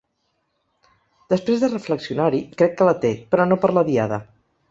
Després de reflexionar-hi, crec que la té, però no per la Diada.